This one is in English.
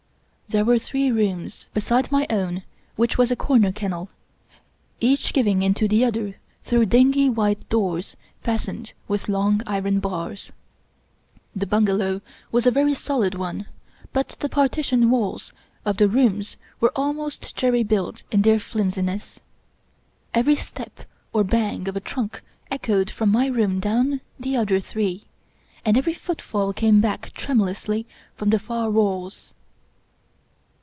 There were three rooms, beside my own, which was a cor ner kennel, each giving into the other through dingy white doors fastened with long iron bars. The bungalow was a very solid one, but the partition walls of the rooms were almost jerry built in their fiiimsiness. Every step or bang of a trunk echoed from my room down the other three, and every footfall came back tremulously from the far walls.